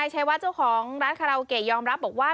ชัยวัดเจ้าของร้านคาราโอเกะยอมรับบอกว่า